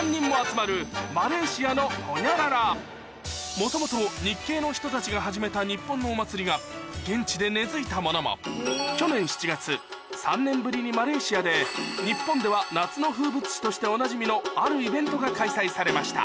もともと日系の人たちが始めた日本のお祭りが現地で根付いたものも去年７月３年ぶりにマレーシアで日本では夏の風物詩としておなじみのあるイベントが開催されました